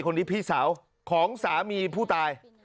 คนนี้พี่สาวของสามีผู้ตาย